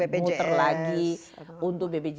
muter lagi untuk bpjs